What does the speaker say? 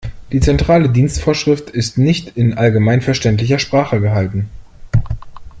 Die Zentrale Dienstvorschrift ist nicht in allgemeinverständlicher Sprache gehalten.